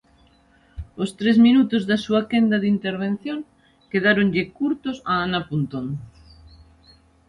Os tres minutos da súa quenda de intervención quedáronlle curtos a Ana Pontón.